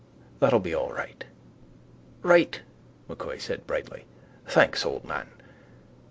That'll be all right. —Right, M'Coy said brightly. Thanks, old man.